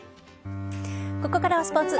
ここからはスポーツ。